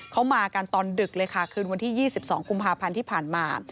เขามากันตอนดึกเลยค่ะคืนวันที่๒๒กุมภาพันธ์ที่ผ่านมา